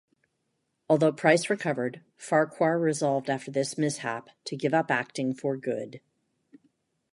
Although Price recovered, Farquhar resolved after this mishap to give up acting for good.